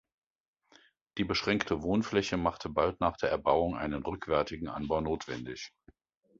Die beschränkte Wohnfläche machte bald nach der Erbauung einen rückwärtigen Anbau notwendig.